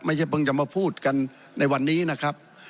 เพิ่งจะมาพูดกันในวันนี้นะครับ